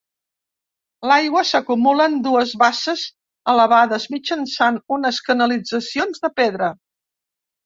L'aigua s'acumula en dues basses elevades mitjançant unes canalitzacions de pedra.